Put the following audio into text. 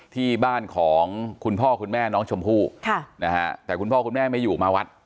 ที่บ้านของคุณพ่อคุณแม่น้องชมพู่ค่ะนะฮะแต่คุณพ่อคุณแม่ไม่อยู่มาวัด